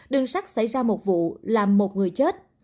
đường sắt xảy ra một vụ làm một người chết